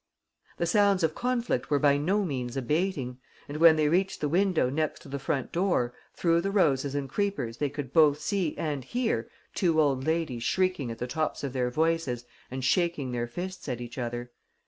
The sounds of conflict were by no means abating; and, when they reached the window next to the front door, through the roses and creepers they could both see and hear two old ladies shrieking at the tops of their voices and shaking their fists at each other.